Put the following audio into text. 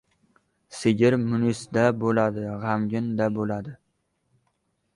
Sag‘ir munis-da bo‘ldi, g‘amgin-da bo‘ldi.